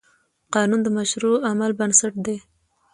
قانون د مشروع عمل بنسټ دی.